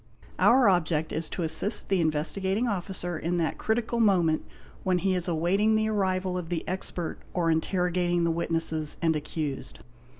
Our object is to assist the Investigating Officer in that critical moment when he is awaiting the arrival of the expert or interrogating" the witnesses and accused.